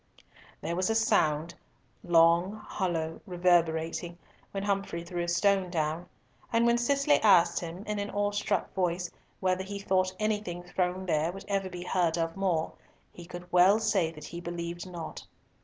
There was a sound—long, hollow, reverberating, when Humfrey threw a stone down, and when Cecily asked him, in an awestruck voice, whether he thought anything thrown there would ever be heard of more, he could well say that he believed not.